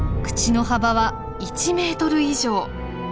口の幅は１ｍ以上。